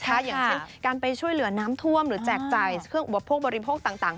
อย่างเช่นการไปช่วยเหลือน้ำท่วมหรือแจกจ่ายเครื่องอุปโภคบริโภคต่าง